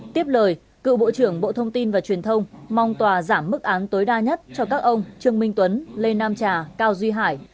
tiếp lời cựu bộ trưởng bộ thông tin và truyền thông mong tòa giảm mức án tối đa nhất cho các ông trương minh tuấn lê nam trà cao duy hải